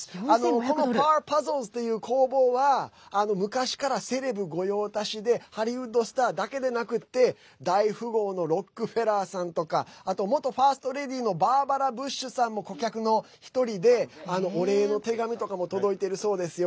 このＰａｒＰｕｚｚｌｅｓっていう工房は昔からセレブ御用達でハリウッドスターだけでなくって大富豪のロックフェラーさんとかあと、元ファーストレディーのバーバラ・ブッシュさんも顧客の１人で、お礼の手紙とかも届いているそうですよ。